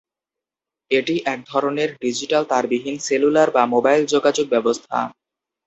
এটি এক ধরনের ডিজিটাল তারবিহীন সেলুলার বা মোবাইল যোগাযোগ ব্যবস্থা।